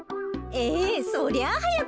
ええそりゃあはやく